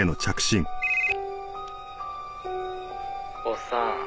「おっさん